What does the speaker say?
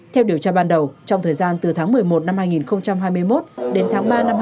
theo điều tra ban đầu trong thời gian từ tháng một mươi một năm hai nghìn hai mươi một đến tháng ba năm hai nghìn hai mươi